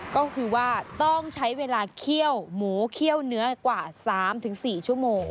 ก็คือว่าต้องใช้เวลาเคี่ยวหมูเคี่ยวเนื้อกว่า๓๔ชั่วโมง